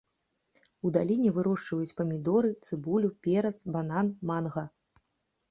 У даліне вырошчваюць памідоры, цыбулю, перац, банан, манга.